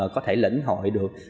có thể lĩnh hội được